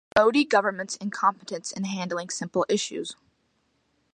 Modi government’s incompetence in handling simple issues.